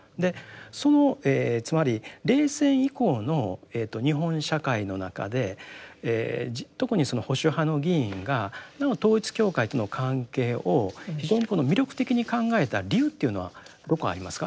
そのつまり冷戦以降の日本社会の中で特にその保守派の議員がなお統一教会との関係を非常に魅力的に考えた理由というのはどこありますか。